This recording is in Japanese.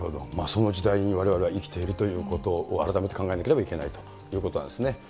その時代にわれわれは生きているということを改めて考えなければいけないということなんですね。